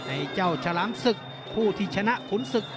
ไอ้เจ้าฉลามศึกผู้ที่ชนะขุนศึก